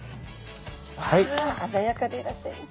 ああざやかでいらっしゃいます。